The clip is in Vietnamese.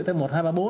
thêm một hai ba bốn